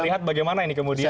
lihat bagaimana ini kemudian